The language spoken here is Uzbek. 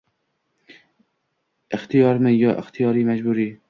Ixtiyoriymi yo ixtiyoriy-majburiy?